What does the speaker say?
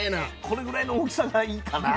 これぐらいの大きさがいいかな。